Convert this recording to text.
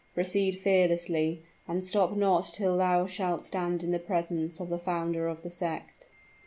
Proceed fearlessly, and stop not till thou shalt stand in the presence of the founder of the sect."